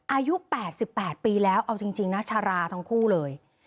อายุแปดสิบแปดปีแล้วเอาจริงจริงนะชาราทั้งคู่เลย